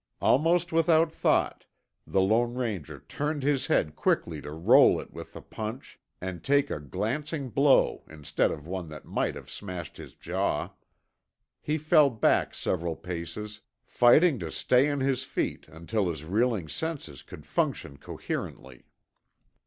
Almost without thought, the Lone Ranger turned his head quickly to roll it with the punch and take a glancing blow instead of one that might have smashed his jaw. He fell back several paces, fighting to stay on his feet until his reeling senses could function coherently.